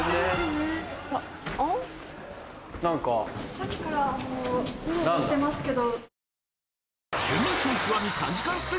さっきからウロウロしてますけど。